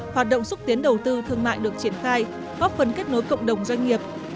hoạt động xúc tiến đầu tư thương mại được triển khai góp phần kết nối cộng đồng doanh nghiệp